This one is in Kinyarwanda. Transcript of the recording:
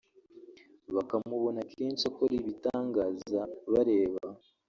bakamubona kenshi akora ibitangaza bareba